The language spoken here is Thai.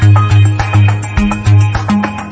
วิ่งเร็วมากครับ